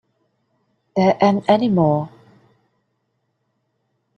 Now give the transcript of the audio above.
There ain't any more.